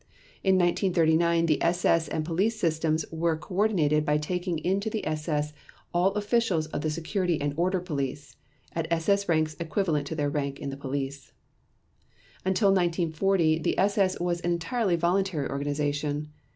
In 1939 the SS and police systems were coordinated by taking into the SS all officials of the Security and Order Police, at SS ranks equivalent to their rank in the police. Until 1940 the SS was an entirely voluntary organization.